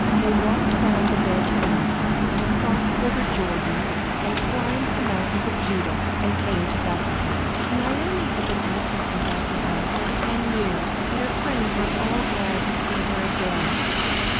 They walked around the Dead Sea, and crossed the river Jordan, and climbed the mountains of Judah, and came to Bethlehem. Naomi had been absent from Bethlehem for ten years, but her friends were all glad to see her again.